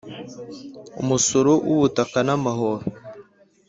Umusoro w ‘ubutaka n’ amahoro.